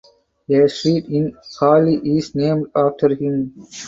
A street in Halle is named after him.